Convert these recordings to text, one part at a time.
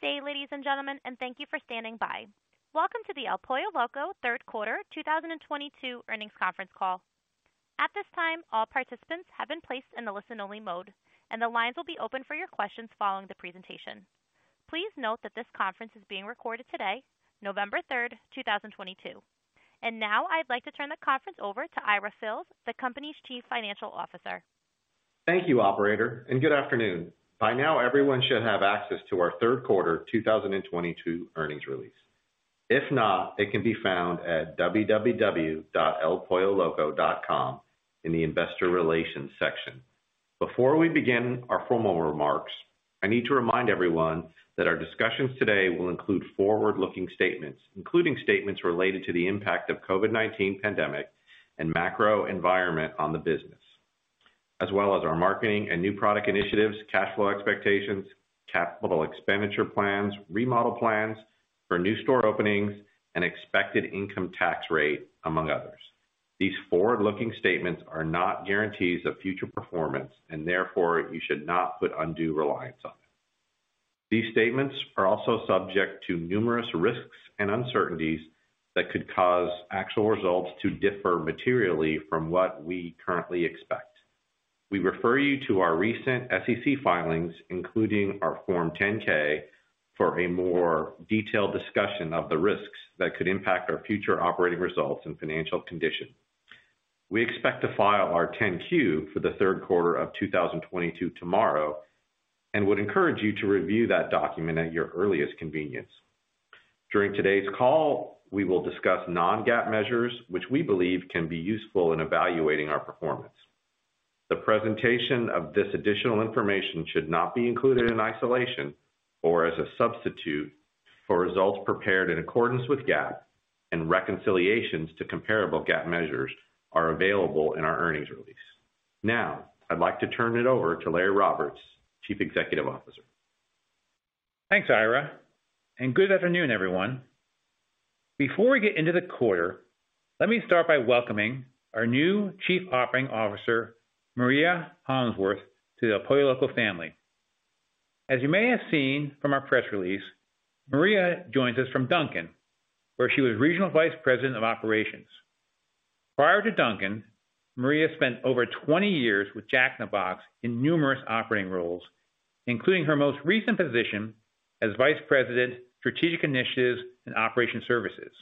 Good day, ladies and gentlemen, and thank you for standing by. Welcome to the El Pollo Loco third quarter 2022 earnings conference call. At this time, all participants have been placed in the listen-only mode, and the lines will be open for your questions following the presentation. Please note that this conference is being recorded today, November 3rd, 2022. Now I'd like to turn the conference over to Ira Fils, the company's Chief Financial Officer. Thank you, operator, and good afternoon. By now, everyone should have access to our third quarter 2022 earnings release. If not, it can be found at www.elpolloloco.com in the investor relations section. Before we begin our formal remarks, I need to remind everyone that our discussions today will include forward-looking statements, including statements related to the impact of COVID-19 pandemic and macro environment on the business, as well as our marketing and new product initiatives, cash flow expectations, capital expenditure plans, remodel plans for new store openings, and expected income tax rate, among others. These forward-looking statements are not guarantees of future performance, and therefore you should not put undue reliance on them. These statements are also subject to numerous risks and uncertainties that could cause actual results to differ materially from what we currently expect. We refer you to our recent SEC filings, including our Form 10-K, for a more detailed discussion of the risks that could impact our future operating results and financial condition. We expect to file our 10-Q for the third quarter of 2022 tomorrow and would encourage you to review that document at your earliest convenience. During today's call, we will discuss non-GAAP measures, which we believe can be useful in evaluating our performance. The presentation of this additional information should not be included in isolation or as a substitute for results prepared in accordance with GAAP, and reconciliations to comparable GAAP measures are available in our earnings release. Now, I'd like to turn it over to Larry Roberts, Chief Executive Officer. Thanks, Ira, and good afternoon, everyone. Before we get into the quarter, let me start by welcoming our new Chief Operating Officer, Maria Hollandsworth, to the El Pollo Loco family. As you may have seen from our press release, Maria joins us from Dunkin', where she was Regional Vice President of Operations. Prior to Dunkin', Maria spent over 20 years with Jack in the Box in numerous operating roles, including her most recent position as Vice President, Strategic Initiatives and Operation Services.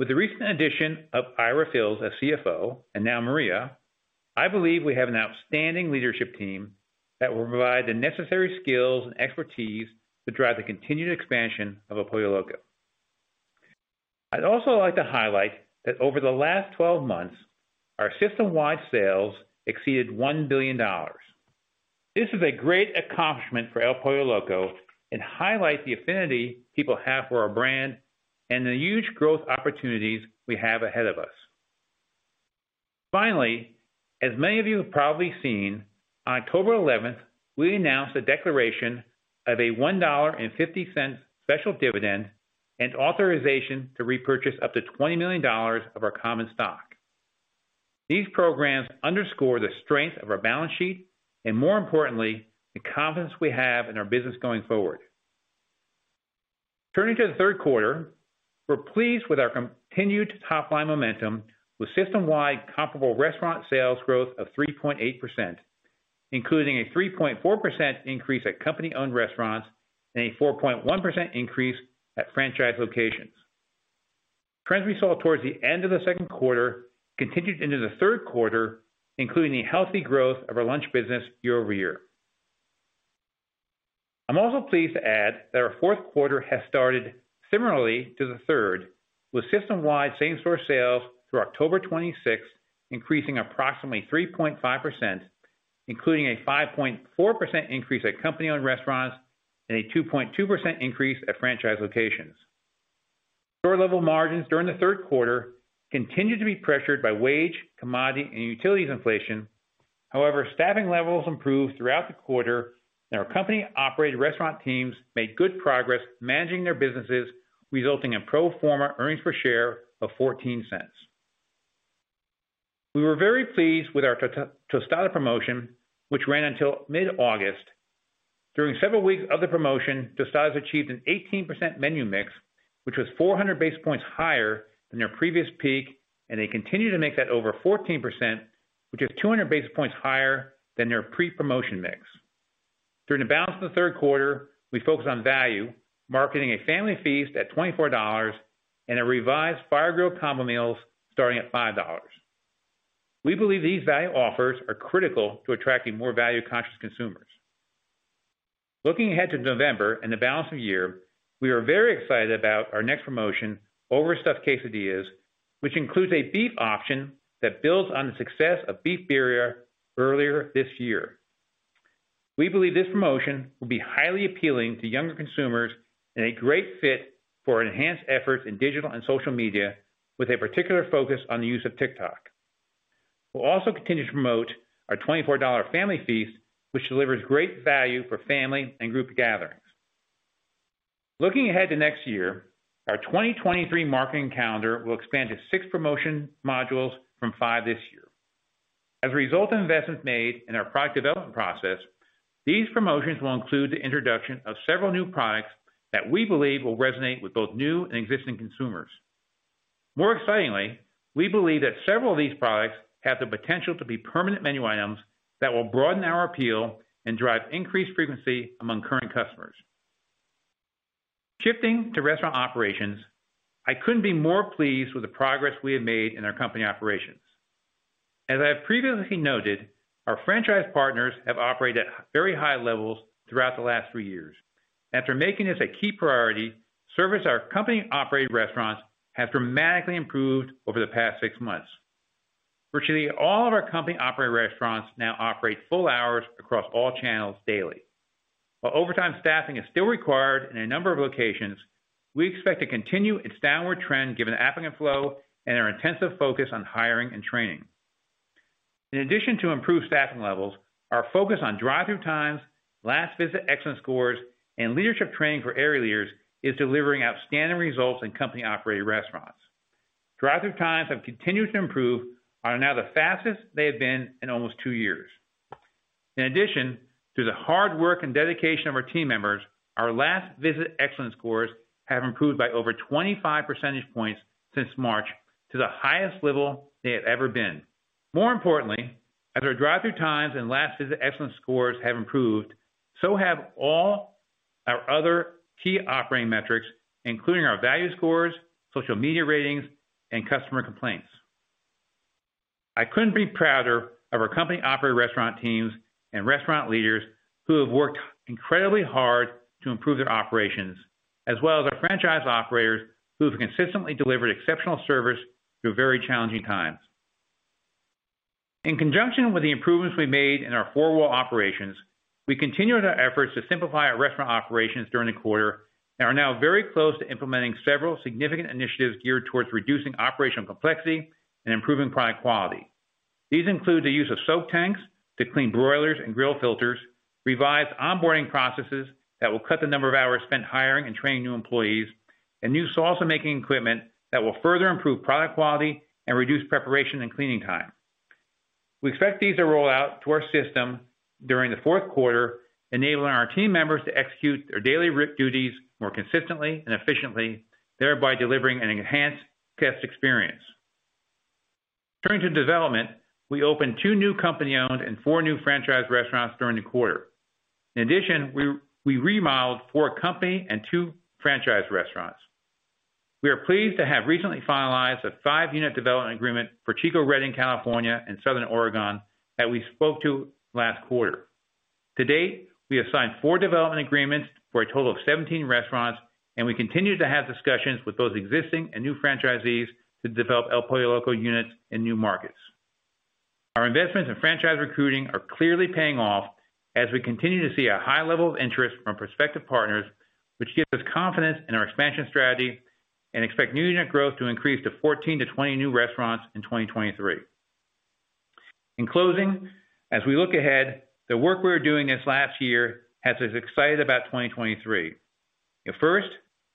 With the recent addition of Ira Fils as CFO, and now Maria, I believe we have an outstanding leadership team that will provide the necessary skills and expertise to drive the continued expansion of El Pollo Loco. I'd also like to highlight that over the last 12 months, our system-wide sales exceeded $1 billion. This is a great accomplishment for El Pollo Loco and highlight the affinity people have for our brand and the huge growth opportunities we have ahead of us. Finally, as many of you have probably seen, on October 11, we announced a declaration of a $1.50 special dividend and authorization to repurchase up to $20 million of our common stock. These programs underscore the strength of our balance sheet and, more importantly, the confidence we have in our business going forward. Turning to the third quarter, we're pleased with our continued top-line momentum with system-wide comparable restaurant sales growth of 3.8%, including a 3.4% increase at company-owned restaurants and a 4.1% increase at franchise locations. Trends we saw towards the end of the second quarter continued into the third quarter, including the healthy growth of our lunch business year-over-year. I'm also pleased to add that our fourth quarter has started similarly to the third, with system-wide same-store sales through October 26th increasing approximately 3.5%, including a 5.4% increase at company-owned restaurants and a 2.2% increase at franchise locations. Store-level margins during the third quarter continued to be pressured by wage, commodity, and utilities inflation. However, staffing levels improved throughout the quarter, and our company-operated restaurant teams made good progress managing their businesses, resulting in pro forma earnings per share of $0.14. We were very pleased with our Tostada promotion, which ran until mid-August. During several weeks of the promotion, Tostadas achieved an 18% menu mix, which was 400 basis points higher than their previous peak, and they continue to make that over 14%, which is 200 basis points higher than their pre-promotion mix. During the balance of the third quarter, we focused on value, marketing a Family Feast at $24 and a revised Fire-Grilled Combos starting at $5. We believe these value offers are critical to attracting more value-conscious consumers. Looking ahead to November and the balance of the year, we are very excited about our next promotion, Overstuffed Quesadillas, which includes a beef option that builds on the success of Shredded Beef Birria earlier this year. We believe this promotion will be highly appealing to younger consumers and a great fit for enhanced efforts in digital and social media, with a particular focus on the use of TikTok. We'll also continue to promote our $24 Family Feast, which delivers great value for family and group gatherings. Looking ahead to next year, our 2023 marketing calendar will expand to six promotion modules from five this year. As a result of investments made in our product development process, these promotions will include the introduction of several new products that we believe will resonate with both new and existing consumers. More excitingly, we believe that several of these products have the potential to be permanent menu items that will broaden our appeal and drive increased frequency among current customers. Shifting to restaurant operations, I couldn't be more pleased with the progress we have made in our company operations. As I have previously noted, our franchise partners have operated at very high levels throughout the last three years. After making this a key priority, service at our company-operated restaurants have dramatically improved over the past six months. Virtually all of our company-operated restaurants now operate full hours across all channels daily. While overtime staffing is still required in a number of locations, we expect to continue its downward trend given the applicant flow and our intensive focus on hiring and training. In addition to improved staffing levels, our focus on drive-thru times, last visit excellence scores, and leadership training for area leaders is delivering outstanding results in company-operated restaurants. Drive-thru times have continued to improve and are now the fastest they have been in almost two years. In addition, through the hard work and dedication of our team members, our last visit excellence scores have improved by over 25% points since March to the highest level they have ever been. More importantly, as our drive-thru times and last visit excellence scores have improved, so have all our other key operating metrics, including our value scores, social media ratings, and customer complaints. I couldn't be prouder of our company-operated restaurant teams and restaurant leaders who have worked incredibly hard to improve their operations, as well as our franchise operators who have consistently delivered exceptional service through very challenging times. In conjunction with the improvements we made in our four wall operations, we continued our efforts to simplify our restaurant operations during the quarter and are now very close to implementing several significant initiatives geared towards reducing operational complexity and improving product quality. These include the use of soak tanks to clean broilers and grill filters, revised onboarding processes that will cut the number of hours spent hiring and training new employees, and new salsa-making equipment that will further improve product quality and reduce preparation and cleaning time. We expect these to roll out to our system during the fourth quarter, enabling our team members to execute their daily duties more consistently and efficiently, thereby delivering an enhanced guest experience. Turning to development, we opened two new company-owned and four new franchise restaurants during the quarter. In addition, we remodeled four company and two franchise restaurants. We are pleased to have recently finalized a five-unit development agreement for Chico-Redding, California and Southern Oregon that we spoke to last quarter. To date, we have signed four development agreements for a total of 17 restaurants, and we continue to have discussions with both existing and new franchisees to develop El Pollo Loco units in new markets. Our investments in franchise recruiting are clearly paying off as we continue to see a high level of interest from prospective partners, which gives us confidence in our expansion strategy and expect new unit growth to increase to 14-20 new restaurants in 2023. In closing, as we look ahead, the work we were doing this last year has us excited about 2023. First,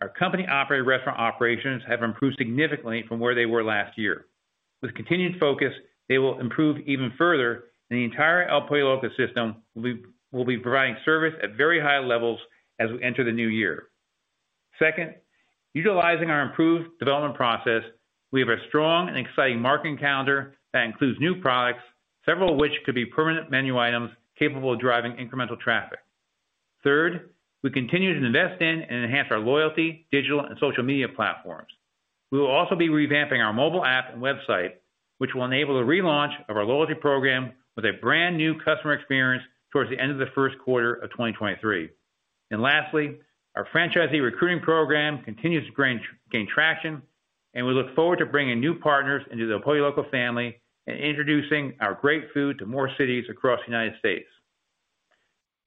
our company-operated restaurant operations have improved significantly from where they were last year. With continued focus, they will improve even further, and the entire El Pollo Loco system will be providing service at very high levels as we enter the new year. Second, utilizing our improved development process, we have a strong and exciting marketing calendar that includes new products, several of which could be permanent menu items capable of driving incremental traffic. Third, we continue to invest in and enhance our loyalty, digital, and social media platforms. We will also be revamping our mobile app and website, which will enable the relaunch of our loyalty program with a brand new customer experience towards the end of the first quarter of 2023. Lastly, our franchisee recruiting program continues to gain traction, and we look forward to bringing new partners into the El Pollo Loco family and introducing our great food to more cities across the United States.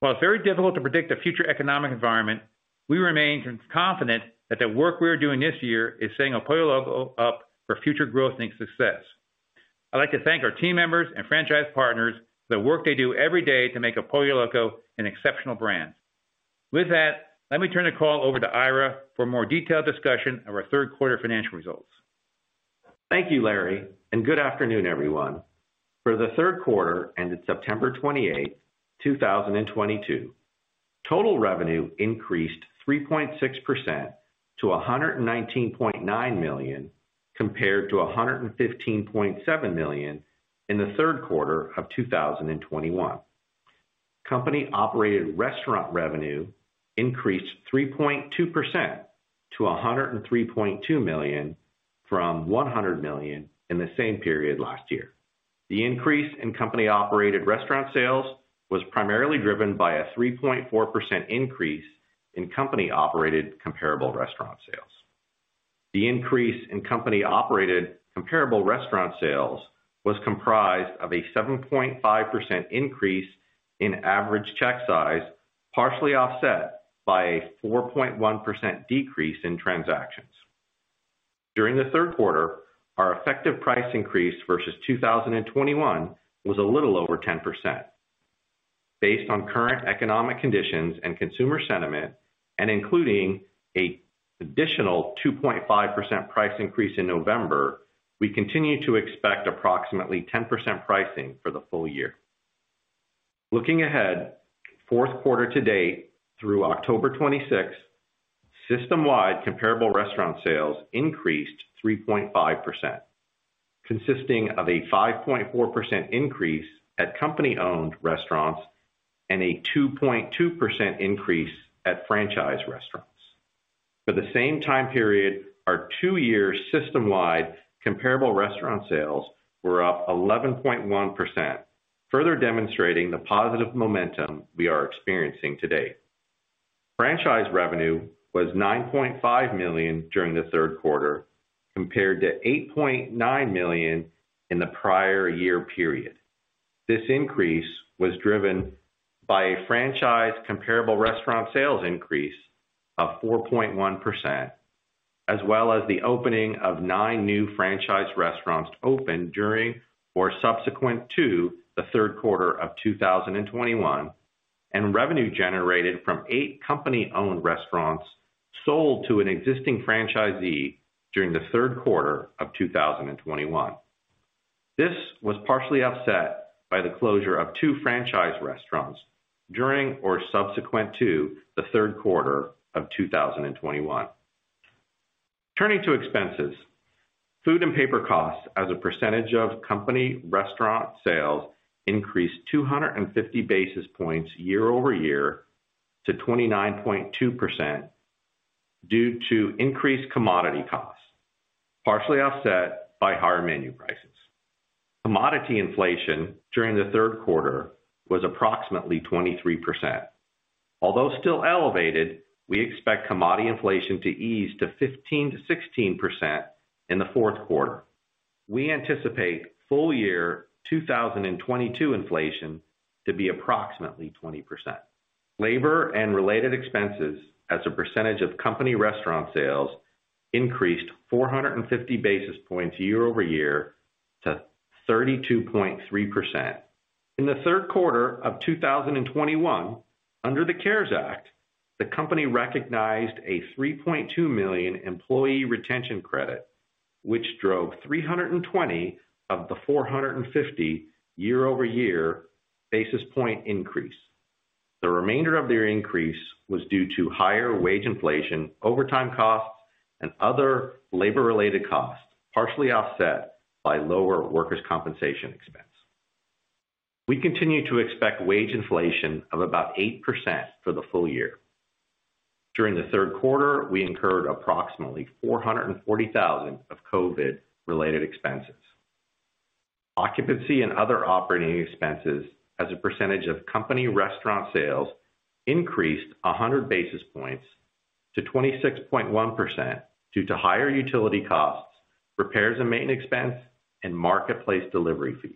While it's very difficult to predict the future economic environment, we remain confident that the work we are doing this year is setting El Pollo Loco up for future growth and success. I'd like to thank our team members and franchise partners for the work they do every day to make El Pollo Loco an exceptional brand. With that, let me turn the call over to Ira for a more detailed discussion of our third quarter financial results. Thank you, Larry, and good afternoon, everyone. For the third quarter ended September 28, 2022, total revenue increased 3.6% to $119.9 million, compared to $115.7 million in the third quarter of 2021. Company-operated restaurant revenue increased 3.2% to $103.2 million from $100 million in the same period last year. The increase in company-operated restaurant sales was primarily driven by a 3.4% increase in company-operated comparable restaurant sales. The increase in company-operated comparable restaurant sales was comprised of a 7.5% increase in average check size, partially offset by a 4.1% decrease in transactions. During the third quarter, our effective price increase versus 2021 was a little over 10%. Based on current economic conditions and consumer sentiment, and including an additional 2.5% price increase in November, we continue to expect approximately 10% pricing for the full year. Looking ahead, fourth quarter to date through October 26th, system-wide comparable restaurant sales increased 3.5%, consisting of a 5.4% increase at company-owned restaurants and a 2.2% increase at franchise restaurants. For the same time period, our two-year system-wide comparable restaurant sales were up 11.1%, further demonstrating the positive momentum we are experiencing to date. Franchise revenue was $9.5 million during the third quarter compared to $8.9 million in the prior year period. This increase was driven by a franchise comparable restaurant sales increase of 4.1%, as well as the opening of nine new franchise restaurants opened during or subsequent to the third quarter of 2021, and revenue generated from eight company-owned restaurants sold to an existing franchisee during the third quarter of 2021. This was partially offset by the closure of two franchise restaurants during or subsequent to the third quarter of 2021. Turning to expenses. Food and paper costs as a percentage of company restaurant sales increased 250 basis points year-over-year to 29.2% due to increased commodity costs, partially offset by higher menu prices. Commodity inflation during the third quarter was approximately 23%. Although still elevated, we expect commodity inflation to ease to 15%-16% in the fourth quarter. We anticipate full year 2022 inflation to be approximately 20%. Labor and related expenses as a percentage of company restaurant sales increased 450 basis points year-over-year to 32.3%. In the third quarter of 2021, under the CARES Act, the company recognized a $3.2 million employee retention credit, which drove 320 of the 450 year-over-year basis point increase. The remainder of their increase was due to higher wage inflation, overtime costs, and other labor-related costs, partially offset by lower workers' compensation expense. We continue to expect wage inflation of about 8% for the full year. During the third quarter, we incurred approximately $440,000 of COVID-related expenses. Occupancy and other operating expenses as a percentage of company restaurant sales increased 100 basis points to 26.1% due to higher utility costs, repairs and maintenance expense, and marketplace delivery fees.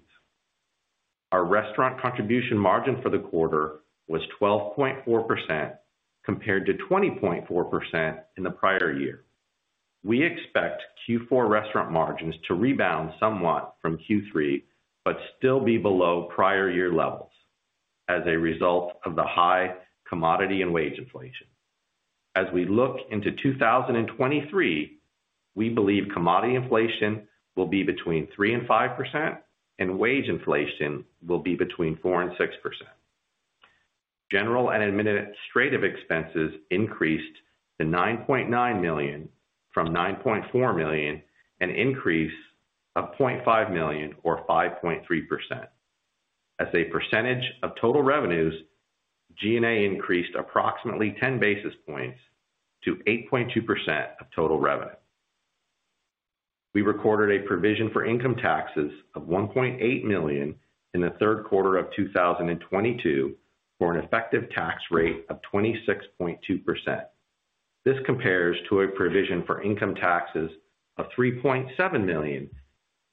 Our restaurant contribution margin for the quarter was 12.4% compared to 20.4% in the prior year. We expect Q4 restaurant margins to rebound somewhat from Q3, but still be below prior year levels as a result of the high commodity and wage inflation. As we look into 2023, we believe commodity inflation will be between 3% and 5%, and wage inflation will be between 4% and 6%. General and administrative expenses increased to $9.9 million from $9.4 million, an increase of $0.5 million or 5.3%. As a percentage of total revenues, G&A increased approximately 10 basis points to 8.2% of total revenue. We recorded a provision for income taxes of $1.8 million in the third quarter of 2022, for an effective tax rate of 26.2%. This compares to a provision for income taxes of $3.7 million,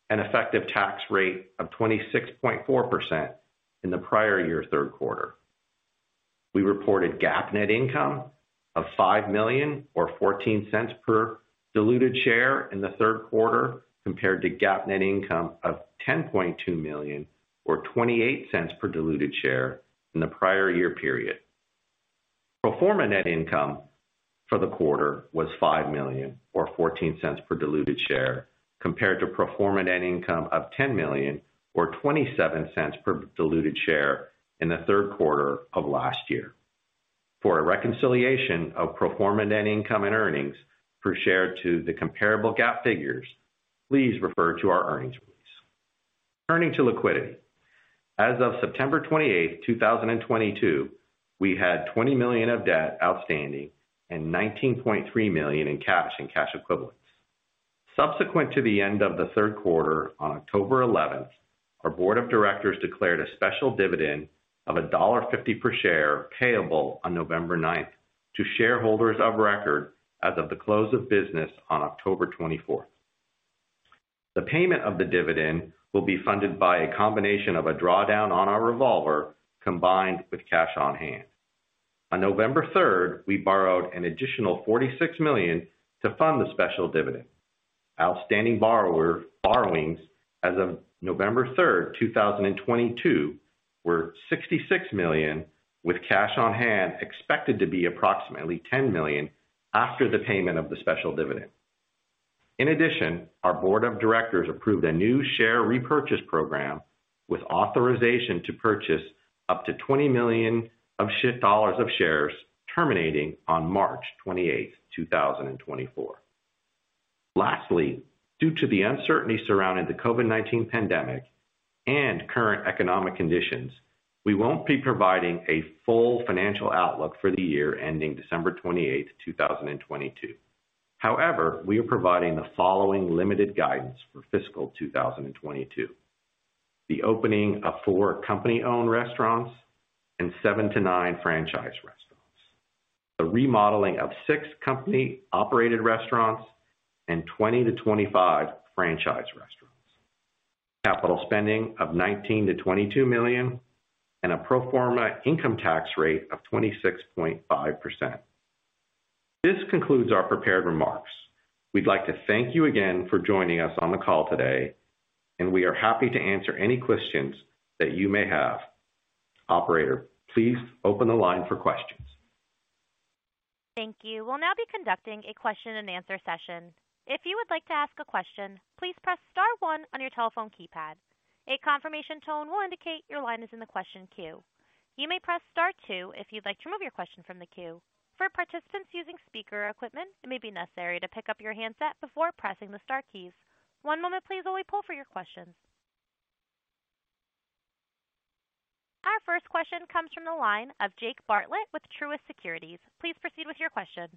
an effective tax rate of 26.4% in the prior year third quarter. We reported GAAP net income of $5 million or $0.14 per diluted share in the third quarter compared to GAAP net income of $10.2 million or $0.28 per diluted share in the prior year period. Pro forma net income for the quarter was $5 million or $0.14 per diluted share compared to pro forma net income of $10 million or $0.27 per diluted share in the third quarter of last year. For a reconciliation of pro forma net income and earnings per share to the comparable GAAP figures, please refer to our earnings release. Turning to liquidity. As of September 28, 2022, we had $20 million of debt outstanding and $19.3 million in cash and cash equivalents. Subsequent to the end of the third quarter on October 11, our board of directors declared a special dividend of $1.50 per share payable on November 9 to shareholders of record as of the close of business on October 24. The payment of the dividend will be funded by a combination of a drawdown on our revolver combined with cash on hand. On November 3rd, we borrowed an additional $46 million to fund the special dividend. Outstanding borrowings as of November 3rd, 2022 were $66 million, with cash on hand expected to be approximately $10 million after the payment of the special dividend. In addition, our board of directors approved a new share repurchase program with authorization to purchase up to $20 million of shares terminating on March 28, 2024. Lastly, due to the uncertainty surrounding the COVID-19 pandemic and current economic conditions, we won't be providing a full financial outlook for the year ending December 28, 2022. However, we are providing the following limited guidance for fiscal 2022. The opening of 4 company-owned restaurants and 7-9 franchise restaurants. The remodeling of six company-operated restaurants and 20-25 franchise restaurants. Capital spending of $19 million-$22 million and a pro forma income tax rate of 26.5%. This concludes our prepared remarks. We'd like to thank you again for joining us on the call today, and we are happy to answer any questions that you may have. Operator, please open the line for questions. Thank you. We'll now be conducting a question and answer session. If you would like to ask a question, please press star one on your telephone keypad. A confirmation tone will indicate your line is in the question queue. You may press star two if you'd like to remove your question from the queue. For participants using speaker equipment, it may be necessary to pick up your handset before pressing the star keys. One moment please while we poll for your questions. Our first question comes from the line of Jake Bartlett with Truist Securities. Please proceed with your question.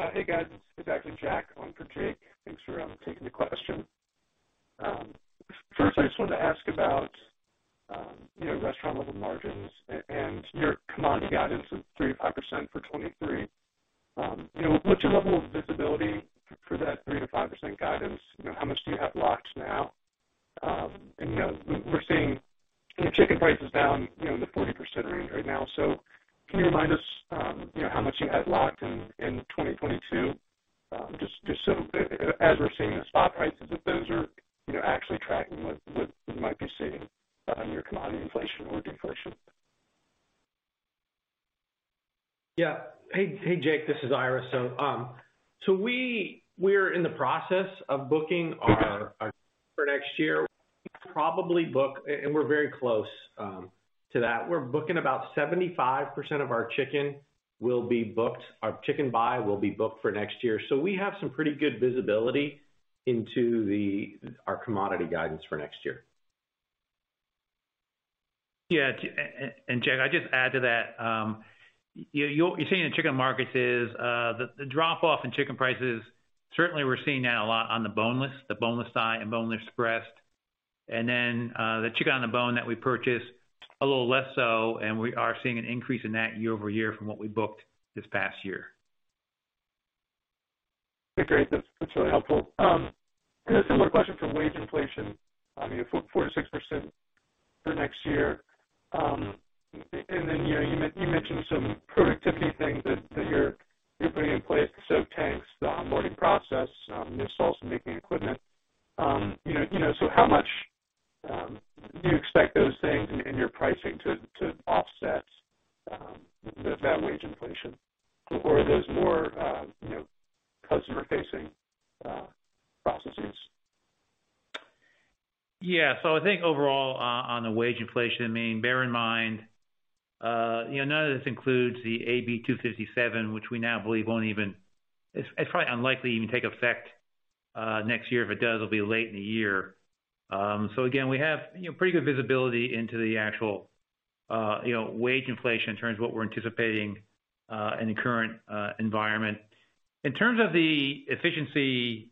Hey, guys. It's actually Jack on for Jake. Thanks for taking the question. First, I just wanted to ask about, you know, restaurant level margins and your commodity guidance of 3%-5% for 2023. You know, what's your level of visibility for that 3%-5% guidance? You know, how much do you have locked now? And, you know, we're seeing, you know, chicken prices down, you know, in the 40% range right now. So can you remind us, you know, how much you had locked in 2022? Just so as we're seeing the spot prices, if those are, you know, actually tracking with what might be seeing in your commodity inflation or deflation. Hey, Jack, this is Ira. We're in the process of booking our chicken for next year and we're very close to that. We're booking about 75% of our chicken will be booked. Our chicken buy will be booked for next year. We have some pretty good visibility into our commodity guidance for next year. Yeah. Jack, I just add to that, you're seeing the chicken markets is the drop off in chicken prices, certainly we're seeing that a lot on the boneless thigh and boneless breast. The chicken on the bone that we purchase a little less so, and we are seeing an increase in that year-over-year from what we booked this past year. Okay, great. That's really helpful. A similar question for wage inflation. I mean, 4%-6% for next year. You know, you mentioned some productivity things that you're putting in place, the soak tanks, the onboarding process, salsa-making equipment. You know, how much do you expect those things in your pricing to offset that wage inflation or are those more, you know, customer-facing processes? Yeah. I think overall on the wage inflation, I mean, bear in mind, you know, none of this includes the AB 257, which we now believe won't even. It's probably unlikely to even take effect next year. If it does, it'll be late in the year. We have, you know, pretty good visibility into the actual, you know, wage inflation in terms of what we're anticipating in the current environment. In terms of the efficiency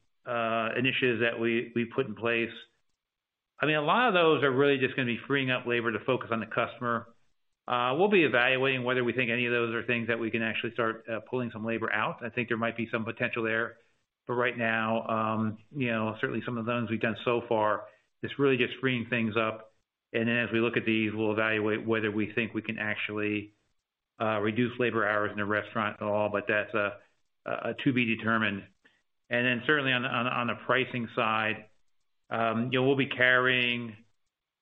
initiatives that we put in place. I mean, a lot of those are really just gonna be freeing up labor to focus on the customer. We'll be evaluating whether we think any of those are things that we can actually start pulling some labor out. I think there might be some potential there. Right now, you know, certainly some of the things we've done so far, it's really just freeing things up. Then as we look at these, we'll evaluate whether we think we can actually reduce labor hours in a restaurant at all, but that's to be determined. Then certainly on the pricing side, you know, we'll be carrying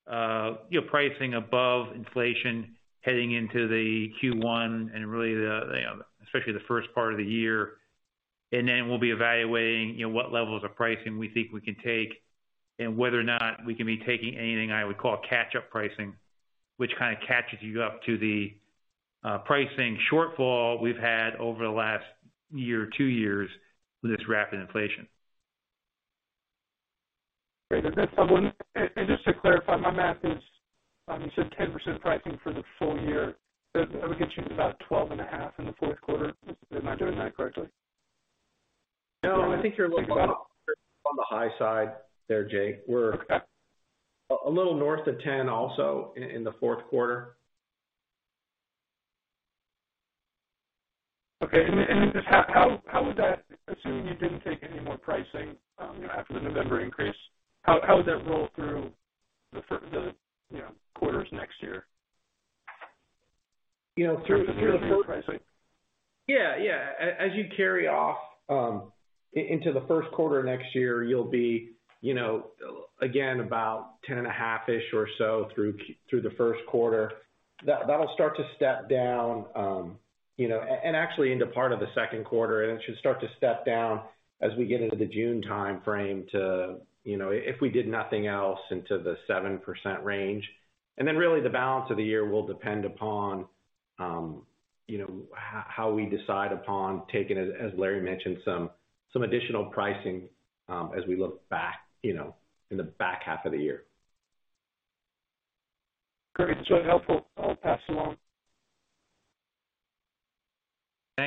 you know pricing above inflation heading into the Q1 and really the especially the first part of the year. Then we'll be evaluating, you know, what levels of pricing we think we can take and whether or not we can be taking anything I would call catch-up pricing, which kinda catches you up to the pricing shortfall we've had over the last year or two years with this rapid inflation. Great. That's helpful. Just to clarify, my math is, you said 10% pricing for the full year. That would get you to about 12.5 in the fourth quarter. Am I doing that correctly? No, I think you're a little on the high side there, Jack. We're a little north of 10 also in the fourth quarter. Okay. Just how would that, assuming you didn't take any more pricing, you know, after the November increase, how would that roll through the, you know, quarters next year? You know, through the first Pricing. Yeah. As you carry over into the first quarter next year, you'll be, you know, again, about 10.5-ish or so through the first quarter. That'll start to step down, you know, and actually into part of the second quarter. It should start to step down as we get into the June timeframe to, you know, if we did nothing else into the 7% range. Then really the balance of the year will depend upon, you know, how we decide upon taking, as Larry mentioned, some additional pricing, as we look back, you know, in the back half of the year. Great. That's really helpful. I'll pass along.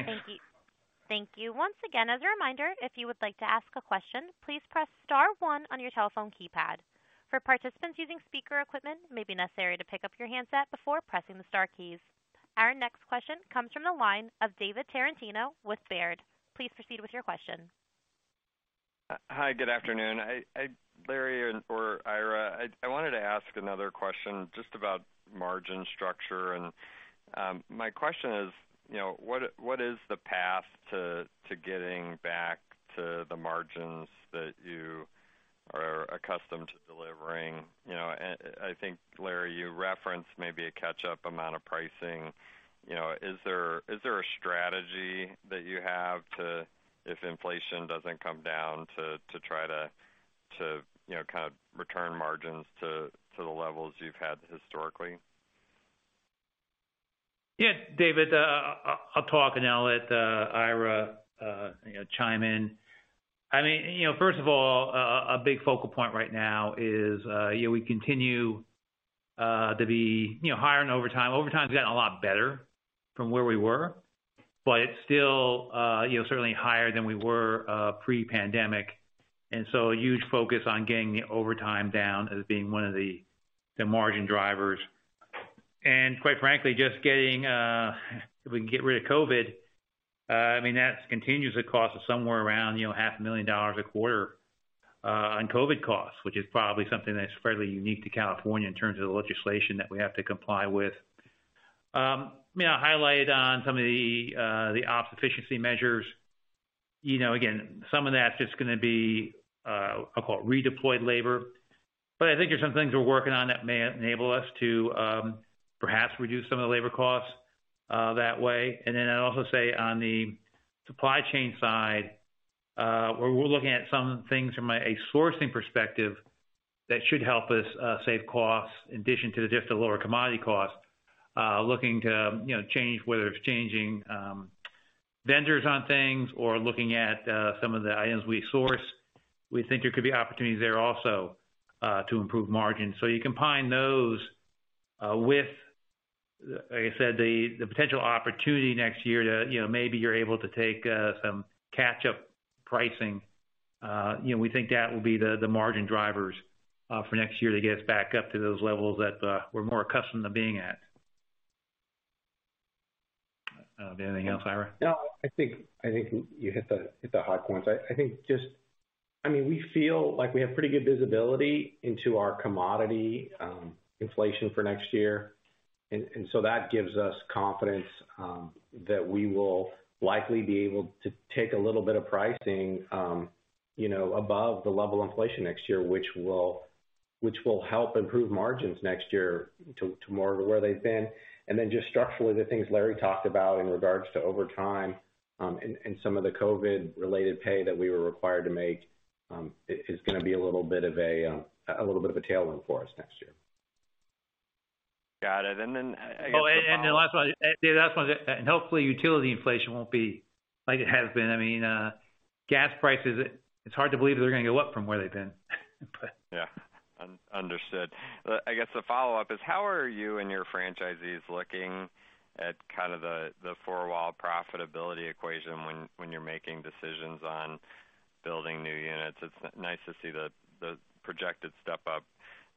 Thanks. Thank you. Thank you once again. As a reminder, if you would like to ask a question, please press star one on your telephone keypad. For participants using speaker equipment, it may be necessary to pick up your handset before pressing the star keys. Our next question comes from the line of David Tarantino with Baird. Please proceed with your question. Hi, good afternoon. Larry and/or Ira, I wanted to ask another question just about margin structure. My question is, you know, what is the path to getting back to the margins that you are accustomed to delivering? You know, and I think, Larry, you referenced maybe a catch-up amount of pricing. You know, is there a strategy that you have to, if inflation doesn't come down, try to, you know, kind of return margins to the levels you've had historically? Yeah. David, I'll talk and I'll let Ira, you know, chime in. I mean, you know, first of all, a big focal point right now is, you know, we continue to be, you know, hiring overtime. Overtime's gotten a lot better from where we were, but it's still, you know, certainly higher than we were pre-pandemic. A huge focus on getting overtime down as being one of the margin drivers. Quite frankly, just getting, if we can get rid of COVID, I mean, that continuously costs us somewhere around, you know, half a million dollars a quarter on COVID costs, which is probably something that's fairly unique to California in terms of the legislation that we have to comply with. You know, I highlighted on some of the ops efficiency measures. You know, again, some of that's just gonna be, I'll call it redeployed labor. I think there are some things we're working on that may enable us to, perhaps reduce some of the labor costs, that way. I'd also say on the supply chain side, we're looking at some things from a sourcing perspective that should help us, save costs in addition to just the lower commodity costs. Looking to, you know, change, whether it's changing, vendors on things or looking at, some of the items we source. We think there could be opportunities there also, to improve margins. You combine those, with, like I said, the potential opportunity next year to, you know, maybe you're able to take, some catch-up pricing. You know, we think that will be the margin drivers for next year to get us back up to those levels that we're more accustomed to being at. Anything else, Ira? No, I think you hit the high points. I mean, we feel like we have pretty good visibility into our commodity inflation for next year. That gives us confidence that we will likely be able to take a little bit of pricing, you know, above the level of inflation next year, which will help improve margins next year to more where they've been. Just structurally, the things Larry talked about in regards to overtime and some of the COVID-related pay that we were required to make is gonna be a little bit of a tailwind for us next year. Got it. I guess the follow up- Oh, and the last one, David, last one. Hopefully utility inflation won't be like it has been. I mean, gas prices, it's hard to believe they're gonna go up from where they've been. Yeah. Understood. I guess the follow-up is how are you and your franchisees looking at kind of the four-wall profitability equation when you're making decisions on building new units? It's nice to see the projected step up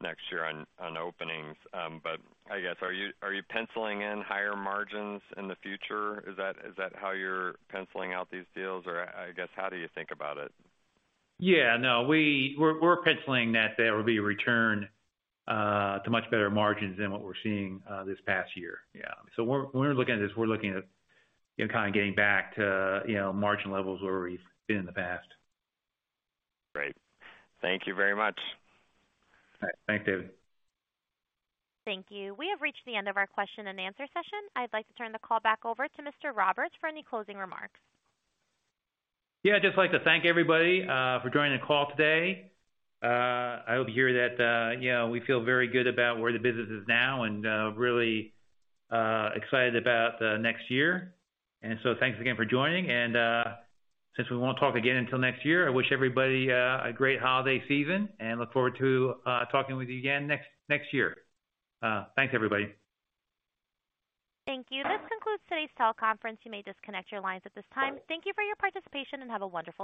next year on openings. I guess, are you penciling in higher margins in the future? Is that how you're penciling out these deals? I guess, how do you think about it? Yeah, no. We're penciling that there will be a return to much better margins than what we're seeing this past year. Yeah. We're looking at this, you know, kind of getting back to, you know, margin levels where we've been in the past. Great. Thank you very much. All right. Thanks, David. Thank you. We have reached the end of our question and answer session. I'd like to turn the call back over to Mr. Roberts for any closing remarks. Yeah. I'd just like to thank everybody for joining the call today. I hope you hear that, you know, we feel very good about where the business is now and really excited about next year. Thanks again for joining, and since we won't talk again until next year, I wish everybody a great holiday season, and look forward to talking with you again next year. Thanks, everybody. Thank you. This concludes today's teleconference. You may disconnect your lines at this time. Thank you for your participation and have a wonderful day.